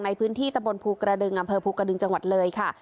ในพื้นที่ตะบนภูกระดึงอำเภอภูกระดึงจังหวัดเลยค่ะ